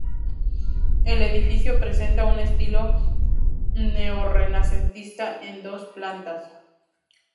El edificio presenta un estilo neorrenacentista en dos plantas.